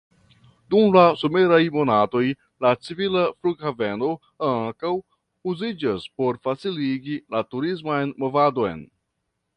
Dum la someraj monatoj la civila flughaveno ankaŭ uziĝas por faciligi la turisman movadon.